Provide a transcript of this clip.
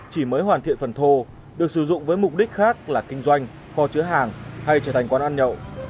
chỉ mới hoàn thiện phần thô được sử dụng với mục đích khác là kinh doanh kho chứa hàng hay trở thành quán ăn nhậu